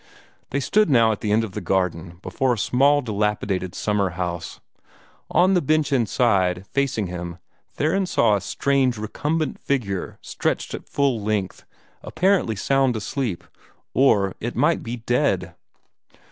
They stood now at the end of the garden, before a small, dilapidated summer house. On the bench inside, facing him, Theron saw a strange recumbent figure stretched at full length, apparently sound asleep, or it might be dead.